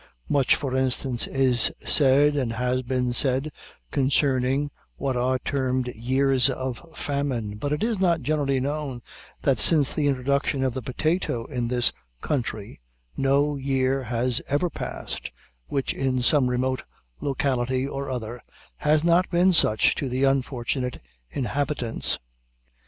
Much for instance is said, and has been said, concerning what are termed "Years of Famine," but it is not generally known that since the introduction of the potato in this country, no year has ever past, which in some remote locality or other, has not been such to the unfortunate inhabitants.